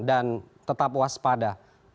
dan tetap waspada